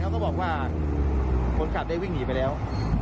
ก็บอกว่าคนขับได้วิ่งหนีไปแล้ว